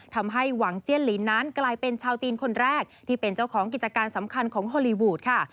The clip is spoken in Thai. ทำให้หวังเจียนลินนั้นกลายเป็นชาวจีนคนแรกที่เป็นเจ้าของกิจการสำคัญของฮอลลีวูดค่ะ